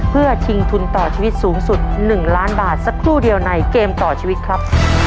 เพื่อชิงทุนต่อชีวิตสูงสุด๑ล้านบาทสักครู่เดียวในเกมต่อชีวิตครับ